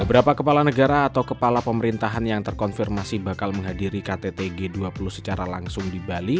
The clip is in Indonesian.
beberapa kepala negara atau kepala pemerintahan yang terkonfirmasi bakal menghadiri ktt g dua puluh secara langsung di bali